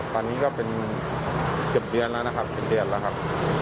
ตอนนี้ก็เป็นเกือบเดือนแล้วนะครับ